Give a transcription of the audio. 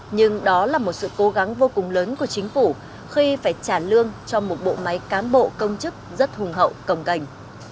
nhưng đó là một sự cố gắng vô cùng lớn của chính phủ khi phải trả lương cho một bộ máy cán bộ công chức rất hùng hậu cầm cành